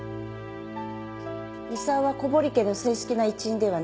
功は小堀家の正式な一員ではないからです。